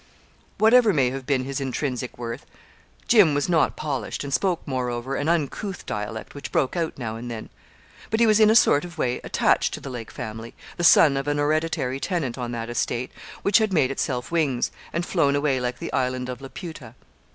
Whatever may have been his intrinsic worth, Jim was not polished, and spoke, moreover, an uncouth dialect, which broke out now and then. But he was in a sort of way attached to the Lake family, the son of an hereditary tenant on that estate which had made itself wings, and flown away like the island of Laputa.